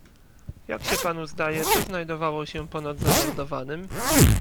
"Jak się panu zdaje, co znajdowało się ponad zamordowanym?"